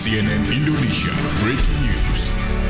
cnn indonesia breaking news